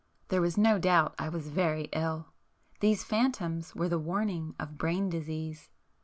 There was no doubt I was very ill;—these phantoms were the warning of brain disease.